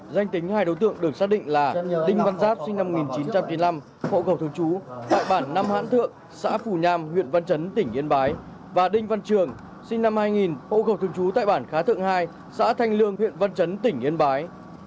danh tính hai đối tượng được xác định là đinh văn giáp sinh năm một nghìn chín trăm chín mươi năm hộ khẩu thường trú tại bản năm hãn thượng xã phù nham huyện văn chấn tỉnh yên bái và đinh văn trường sinh năm hai nghìn hộ khẩu thường trú tại bản khá thượng hai xã thanh lương huyện văn chấn tỉnh yên bái